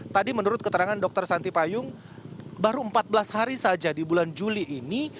tadi menurut keterangan dokter santi payung baru empat belas hari saja di bulan juli ini